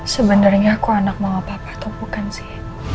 sebenernya aku anak mama papa tau bukan sih